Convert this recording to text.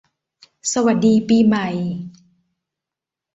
สวัสดีปีใหม่